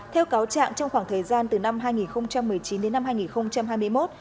theo cáo trạng trong khoảng thời gian từ năm hai nghìn một mươi chín đến năm hai nghìn hai mươi một